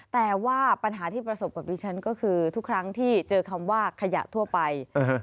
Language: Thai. แต่ว่าปัญหาที่ประสบกับดิฉันก็คือทุกครั้งที่เจอคำว่าขยะทั่วไป